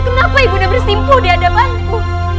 kenapa ibunda bersimpu di adabanku